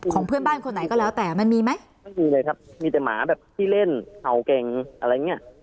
ของเพื่อนบ้านคนไหนก็แล้วแต่มันมีไหมไม่มีเลยครับมีแต่หมาแบบที่เล่นเห่าเก่งอะไรอย่างเงี้ย